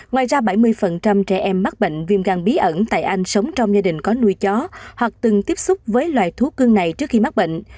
ngoài ra bảy mươi trẻ em mắc bệnh viêm gan bí ẩn tại anh sống trong gia đình có nuôi chó hoặc từng tiếp xúc với loài thú cưng này trước khi mắc bệnh